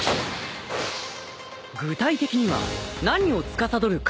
具体的には何をつかさどる神ですか？